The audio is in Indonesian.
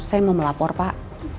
saya mau melapor pak